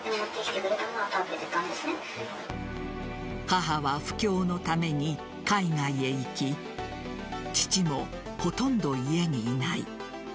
母は布教のために海外へ行き父もほとんど家にいない。